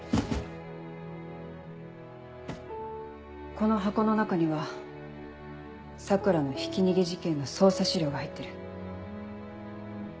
この箱の中には桜のひき逃げ事件の捜査資料が入ってる。